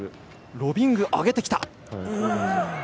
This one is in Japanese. ロビング、上げてきた。